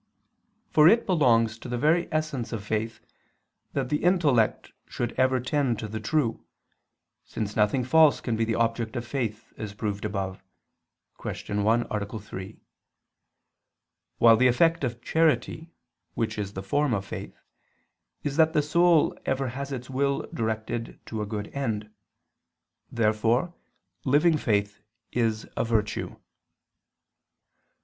For it belongs to the very essence of faith that the intellect should ever tend to the true, since nothing false can be the object of faith, as proved above (Q. 1, A. 3): while the effect of charity, which is the form of faith, is that the soul ever has its will directed to a good end. Therefore living faith is a virtue.